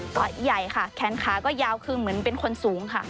ใหญ่ค่ะแขนขาก็ยาวคือเหมือนเป็นคนสูงค่ะ